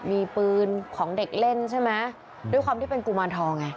มีปืนของเด็กเล่นใช่ไหมด้วยความที่เป็นกุมารทองไง